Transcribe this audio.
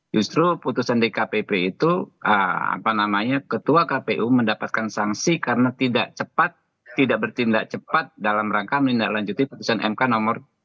justru putusan dkpp itu ketua kpu mendapatkan sanksi karena tidak cepat tidak bertindak cepat dalam rangka menindaklanjuti putusan mk nomor tiga